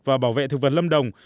và bảo vệ thực vấn lâm đồng